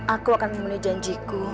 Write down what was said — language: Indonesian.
aku akan memenuhi janjiku